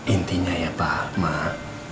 intinya ya pak mak